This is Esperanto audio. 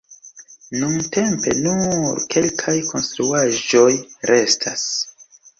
Nuntempe nur kelkaj konstruaĵoj restas.